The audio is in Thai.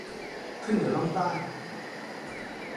ขึ้นเหนือล่องใต้